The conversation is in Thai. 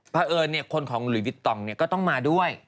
เพราะเอิญคนของหลุยบิตตองก็ต้องมาด้วย